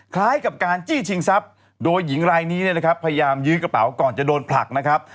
คล้ายกับการจี้ชิงทรัพย์โดยหญิงรายนี้เนี่ยนะครับพยายามยื้อกระเป๋าก่อนจะโดนผลักนะครับ